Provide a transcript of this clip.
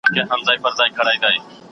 که تشویق وي نو ماشوم نه ستړی کیږي.